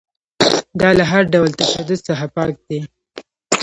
دا له هر ډول تشدد څخه پاک دی.